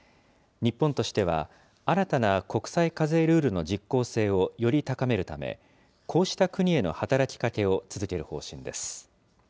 日本としては新たな国際課税ルールの実効性をより高めるため、こうした国への働きかけを続ける方針です。